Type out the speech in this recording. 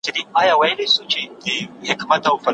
کوم کارونه د کورنۍ لپاره عيب او شرمندګي جوړوي؟